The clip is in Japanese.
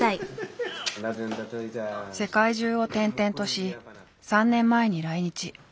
世界中を転々とし３年前に来日。